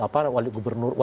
apa wali gubernur wali kota